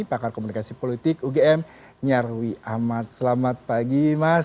pakar komunikasi politik ugm nyarwi ahmad selamat pagi mas